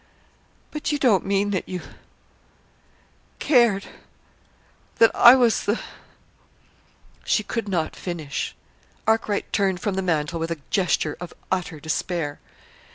"But you don't mean that you cared that I was the " She could not finish. Arkwright turned from the mantel with a gesture of utter despair.